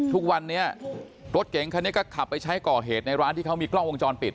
ทุกวันนี้รถเก๋งคันนี้ก็ขับไปใช้ก่อเหตุในร้านที่เขามีกล้องวงจรปิด